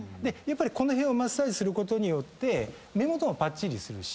この辺をマッサージすることによって目元もぱっちりするし。